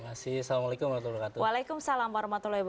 terima kasih assalamualaikum wr wb